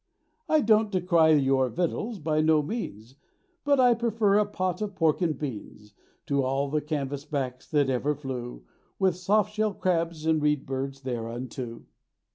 I don't de cry your vittles, by no means, But I prefer a pot of pork and beans To all the canvas backs that ever flew, With soft shell crabs and reed birds thereunto.